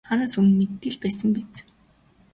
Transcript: Хаанаас өмнө мэддэг л байсан биз.